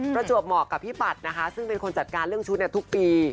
ประจวบเหมาะกับพี่ปัดนะคะซึ่งเป็นคนจัดการเรื่องชุดทุกปี